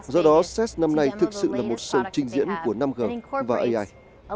do đó ces năm nay thực sự là một sổ trình diễn của năm g và ai